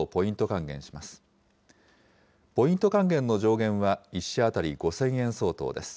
還元の上限は１社当たり５０００円相当です。